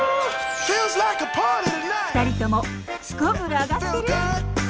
２人ともすこぶるアガってる？